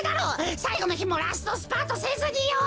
さいごのひもラストスパートせずによ！